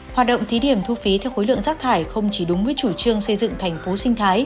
hoạt động thí điểm thu phí theo khối lượng rác thải không chỉ đúng với chủ trương xây dựng thành phố sinh thái